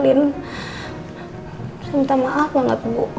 terus minta maaf banget bu